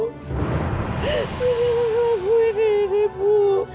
ya allah bu ini ini bu